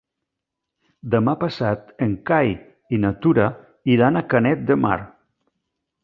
Demà passat en Cai i na Tura iran a Canet de Mar.